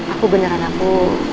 aku beneran aku